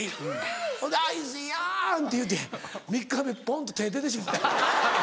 ほんで「アイスいやん」って言うて３日目ポン！と手出てしもうた。